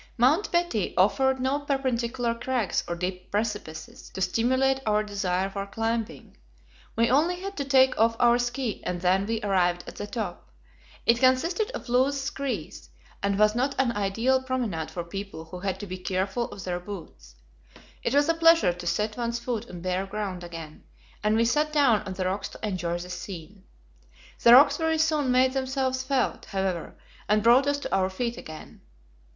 Mount Betty offered no perpendicular crags or deep precipices to stimulate our desire for climbing; we only had to take off our ski, and then we arrived at the top. It consisted of loose screes, and was not an ideal promenade for people who had to be careful of their boots. It was a pleasure to set one's foot on bare ground again, and we sat down on the rocks to enjoy the scene. The rocks very soon made themselves felt, however, and brought us to our feet again.